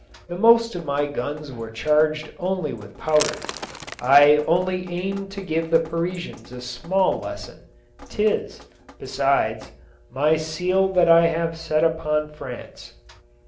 The most of my guns were charged only with powder. I only aimed to give the Parisians a small lesson — 'tis, besides, my seed that I have set upon France.